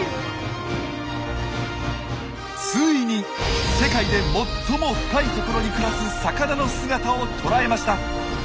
ついに世界で最も深い所に暮らす魚の姿を捉えました！